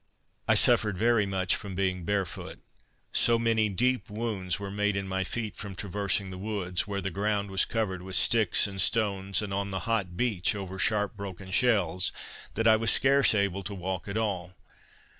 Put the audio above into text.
I suffered very much from being barefoot; so many deep wounds were made in my feet from traversing the woods, where the ground was covered with sticks and stones, and on the hot beach, over sharp broken shells, that I was scarce able to walk at all.